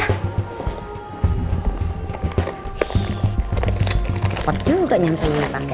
cepet juga nyampe liat nyampe